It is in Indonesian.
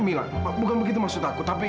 mila bukan begitu maksud aku tapi